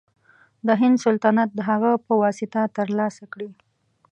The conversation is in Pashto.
د هند سلطنت د هغه په واسطه تر لاسه کړي.